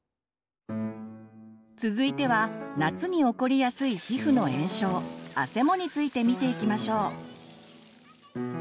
続いては夏に起こりやすい皮膚の炎症「あせも」について見ていきましょう。